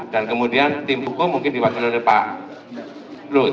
dan kemudian tim hukum mungkin diwakili oleh pak lut